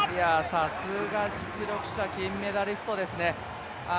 さすが実力者、金メダリストですね。